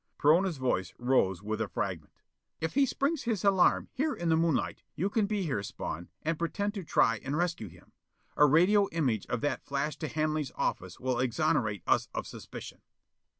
Perona's voice rose with a fragment: "If he springs his alarm, here in the moonlight, you can be here, Spawn, and pretend to try and rescue him. A radio image of that flashed to Hanley's office will exonerate us of suspicion."